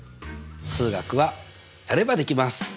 数学はやればできます！